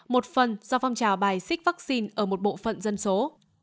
một phần do phong trào bài xích vaccine ở một bộ phận dân số